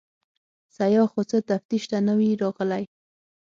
سیاح خو څه تفتیش ته نه وي راغلی.